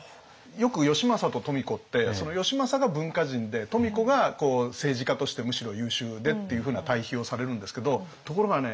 よく義政と富子って義政が文化人で富子が政治家としてむしろ優秀でっていうふうな対比をされるんですけどところがね